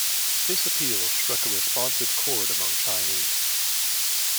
This appeal struck a responsive chord among Chinese.